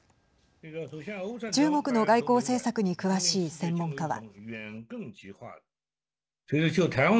中国の外交政策に詳しい専門家は。